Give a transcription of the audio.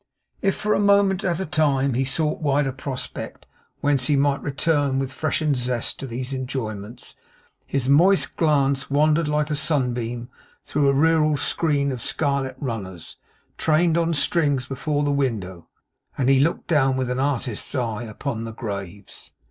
If, for a moment at a time, he sought a wider prospect, whence he might return with freshened zest to these enjoyments, his moist glance wandered like a sunbeam through a rural screen of scarlet runners, trained on strings before the window, and he looked down, with an artist's eye, upon the graves.